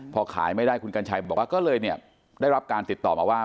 พอขายไม่ได้คุณกัญชัยบอกว่าก็เลยเนี่ยได้รับการติดต่อมาว่า